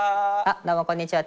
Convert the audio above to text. どうもこんにちは。